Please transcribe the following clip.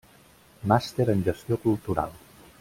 Màster en Gestió Cultural.